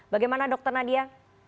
bagaimana dokter nadia